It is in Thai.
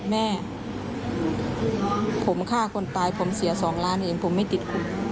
แม่ผมฆ่าคนตายผมเสีย๒ล้านเองผมไม่ติดคุก